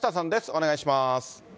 お願いします。